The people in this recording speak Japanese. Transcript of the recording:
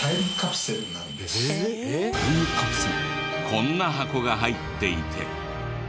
こんな箱が入っていて。